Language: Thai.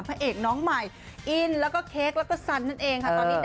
พระเอกน้องใหม่อินแล้วก็เค้กแล้วก็สันนั่นเองค่ะตอนนี้